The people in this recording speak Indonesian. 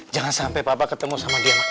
jangan sampai papa ketemu sama dia